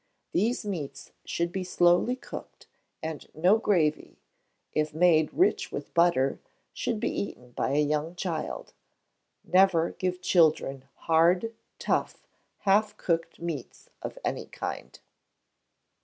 These meats should be slowly cooked, and no gravy, if made rich with butter, should be eaten by a young child, Never give children hard, tough, half cooked meats, of any kind.